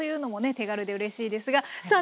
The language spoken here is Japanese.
手軽でうれしいですがさあ